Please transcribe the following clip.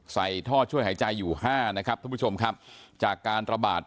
ใส่ท่อช่วยหายใจอยู่ห้านะครับท่านผู้ชมครับจากการระบาด